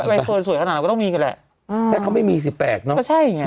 ใบเฟิร์นสวยขนาดเราก็ต้องมีกันแหละอืมถ้าเขาไม่มีสิบแปดเนอะก็ใช่ไง